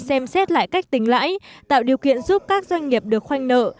xem xét lại cách tính lãi tạo điều kiện giúp các doanh nghiệp được khoanh nợ